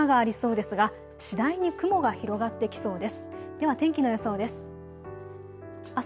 では天気の予想です。